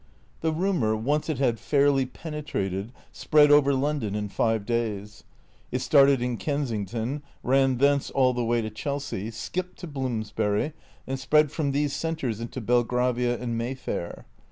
The rumour, once it had fairly penetrated, spread over London in five days. It started in Kensington, ran thence all the way to Chelsea, skipped to Bloomsbury, and spread from these cen tres into Belgravia and Mayfair.